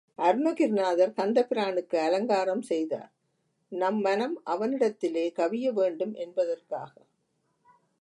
அருணகிரிநாதர் கந்தபிரானுக்கு அலங்காரம் செய்தார், நம் மனம் அவனிடத்திலே கவிய வேண்டும் என்பதற்காக.